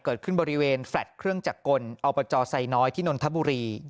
เกิดขึ้นบริเวณแฟลต์เครื่องจักรกลอบจไซน้อยที่นนทบุรี